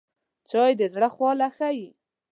چای د زړه خواله ښيي